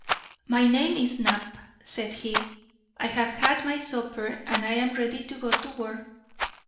"My name is Knapp," said he. "I have had my supper, and am ready to go to work.